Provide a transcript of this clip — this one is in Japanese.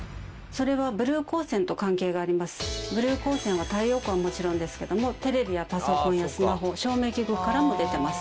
ブルー光線は太陽光はもちろんですけどもテレビやパソコンやスマホ照明器具からも出てます。